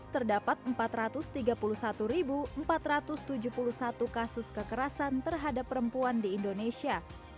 terdapat empat ratus tiga puluh satu empat ratus tujuh puluh satu kasus kekerasan terhadap perempuan di indonesia